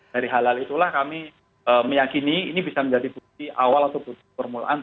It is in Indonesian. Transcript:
dari halal itulah kami meyakini ini bisa menjadi bukti awal atau berulang